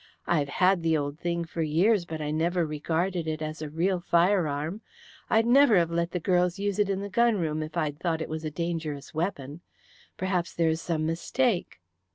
I've had the old thing for years, but I never regarded it as a real fire arm. I'd never have let the girls use it in the gun room if I'd thought it was a dangerous weapon. Perhaps there is some mistake."